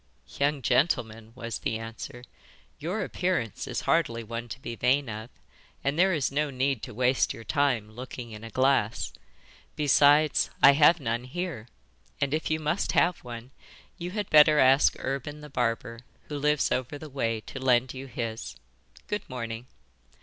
'Young gentleman,' was the answer, 'your appearance is hardly one to be vain of, and there is no need to waste your time looking in a glass. Besides, I have none here, and if you must have one you had better ask Urban the barber, who lives over the way, to lend you his. Good morning.